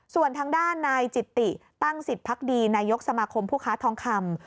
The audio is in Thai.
ส่วนทางด้านนายจิตติตั้งสิทธิพักดีนายกสมาคมผู้ค้าทองคำ